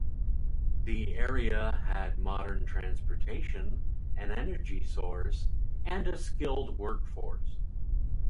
The area had modern transportation, an energy source, and a skilled workforce.